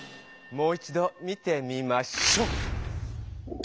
もう一ど見てみましょ！